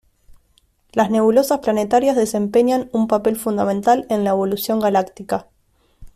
Las nebulosas planetarias desempeñan un papel fundamental en la evolución galáctica.